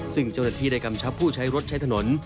ซึ่งเจ้าหน้าที่ได้กำชับผู้ใช้รถใช้ถนน